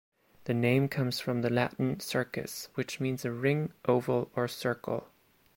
The name comes from the Latin 'circus', which means a ring, oval or circle.